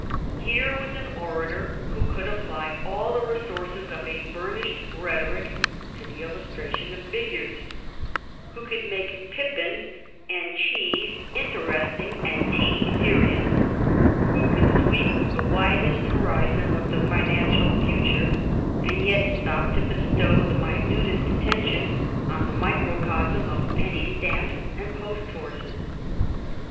Here was an orator who could apply all the resources of a burnished rhetoric to the illustration of figures, who could make pippins N 178 THE STORY OF GLADSTONE'S LIFE and cheese interesting, and tea serious ; who could sweep the widest horizon of the financial future, and yet stop to bestow the minutest attention on the microcosm of penny stamps and post horses."